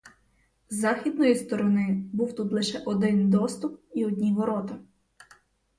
З західної сторони був тут лише один доступ і одні ворота.